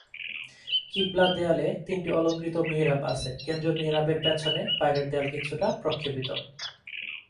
কিবলা দেয়ালে তিনটি অলঙ্কৃত মিহরাব আছে; কেন্দ্রীয় মিহরাবের পেছনে বাইরের দেয়াল কিছুটা প্রক্ষেপিত।